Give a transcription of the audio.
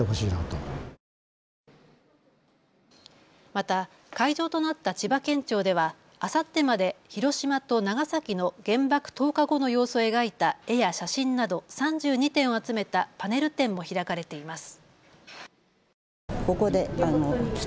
また、会場となった千葉県庁ではあさってまで広島と長崎の原爆投下後の様子を描いた絵や写真など３２点を集めたパネル展も開かれています。